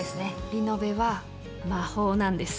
リノベは魔法なんです。